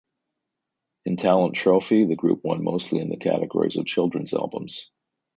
In Talent Trophy, the group won mostly in the categories of children's albums.